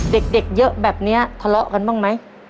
เด็กเยอะแบบนี้ทะเลาะกันบ้างไหม